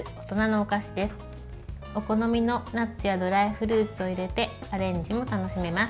お好みのナッツやドライフルーツを入れてアレンジも楽しめます。